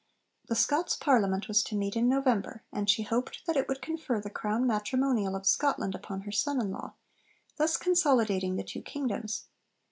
The Scots Parliament was to meet in November, and she hoped that it would confer the crown 'Matrimonial' of Scotland upon her son in law, thus consolidating the two kingdoms.